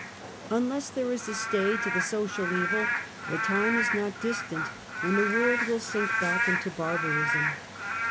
Unless there is a stay to the social evil, the time is not distant when the world will sink back into barbarism.